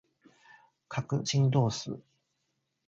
角振動数